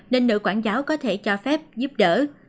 nên nữ quản giáo có thể cho phép giúp đỡ